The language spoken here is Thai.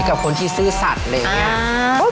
กับคนที่ซื่อสัติอะไรแบบนี้